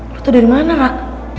lo tuh dari mana kak